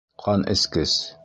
Ҡанескес!